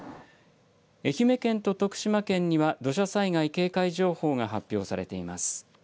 愛媛県と徳島県には、土砂災害警戒情報が発表されています。